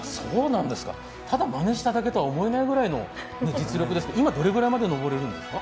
ただまねしただけに見えないぐらいの実力ですけれども、今はどのくらいまで登るんですか？